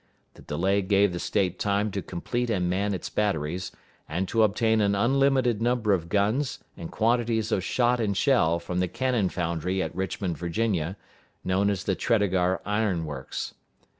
The delay gave the State time to complete and man its batteries, and to obtain an unlimited number of guns and quantities of shot and shell from the cannon foundry at Richmond, Virginia, known as the Tredegar Iron Works.